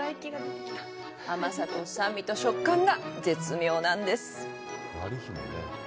甘さと酸味と食感が、絶妙なんです！